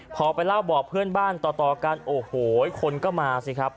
พอไปเล่าบอกเพื่อนบ้านต่อกันโอ้โหคนก็มาสิครับ